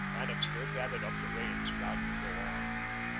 Annixter gathered up the reins, about to go on.